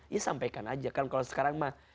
ya sampaikan aja kan kalau sekarang mah